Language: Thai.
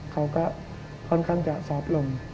เขาก็ค่อนข้างจะซอฟต์ลง